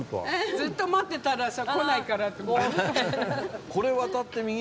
ずっと待ってたらさ来ないからって。